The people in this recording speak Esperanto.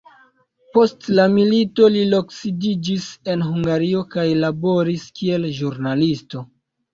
Post la milito li loksidiĝis en Hungario kaj laboris kiel ĵurnalisto.